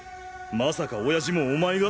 まさか親父もお前が？